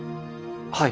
はい。